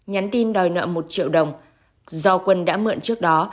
nhắn tin đòi nợ một triệu đồng do quân đã mượn trước đó